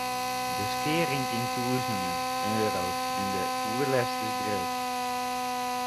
De skea rint yn 'e tûzenen euro's en de oerlêst is grut.